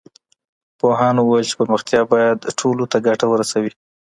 پوهانو وويل چي پرمختيا بايد ټولو ته ګټه ورسوي.